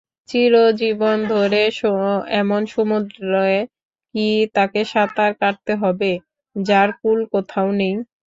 চিরজীবন ধরে এমন সমুদ্রে কি তাকে সাঁতার কাটতে হবে যার কূল কোথাও নেই?